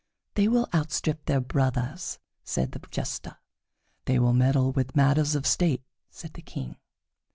"They will outstrip their brothers," said the Jester. "They will meddle with matters of state," said the King.